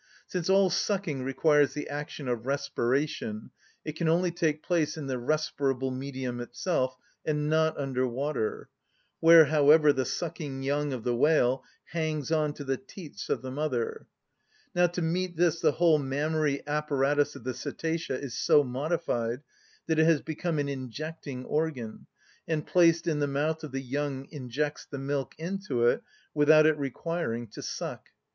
Since all sucking requires the action of respiration, it can only take place in the respirable medium itself, and not under water, where, however, the sucking young of the whale hangs on to the teats of the mother; now to meet this the whole mammary apparatus of the cetacea is so modified that it has become an injecting organ, and placed in the mouth of the young injects the milk into it without it requiring to suck.